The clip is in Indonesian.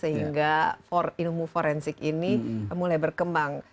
sehingga ilmu forensik ini mulai berkembang